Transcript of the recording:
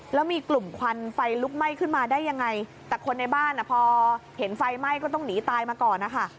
แล้วมีกลุ่มควันไฟลุกไหม้ขึ้นมาได้ยังไงแต่คนในบ้านพอเห็นไฟไหม้ก็ต้องหนีตายมาก่อนนะคะ